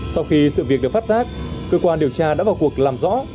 sau khi sự việc được phát giác cơ quan điều tra đã vào cuộc làm rõ